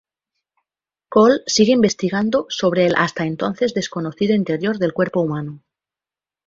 Cole sigue investigando sobre el hasta entonces desconocido interior del cuerpo humano.